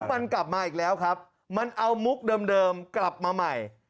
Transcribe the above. มันกลับมาอีกแล้วครับมันเอามุกเดิมกลับมาใหม่